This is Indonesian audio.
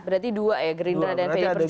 berarti dua ya gerindra dan pdi perjuangan